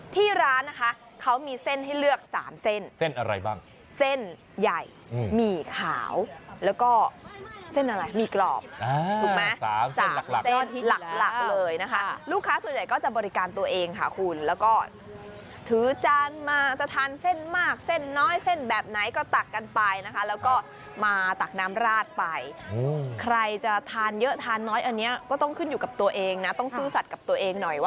ที่ร้านนะคะเขามีเส้นให้เลือก๓เส้นเส้นอะไรบ้างเส้นใหญ่หมี่ขาวแล้วก็เส้นอะไรหมี่กรอบถูกไหม๓หลักเส้นหลักหลักเลยนะคะลูกค้าส่วนใหญ่ก็จะบริการตัวเองค่ะคุณแล้วก็ถือจานมาจะทานเส้นมากเส้นน้อยเส้นแบบไหนก็ตักกันไปนะคะแล้วก็มาตักน้ำราดไปใครจะทานเยอะทานน้อยอันนี้ก็ต้องขึ้นอยู่กับตัวเองนะต้องซื่อสัตว์กับตัวเองหน่อยว